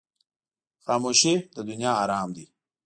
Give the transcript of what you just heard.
خاموشي، د دنیا آرام دی.